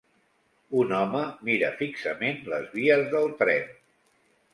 Un home mira fixament les vies del tren.